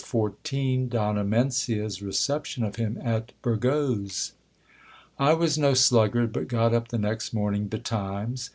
v/Ch. XIV. — Donna Mencids reception of him at Burgos. I was no sluggard, but got up the next morning betimes.